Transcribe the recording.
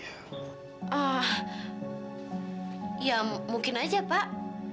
ah ya mungkin aja pak